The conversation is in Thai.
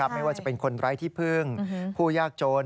ไม่ว่าคนร้ายที่พึ่งผู้ยากโจร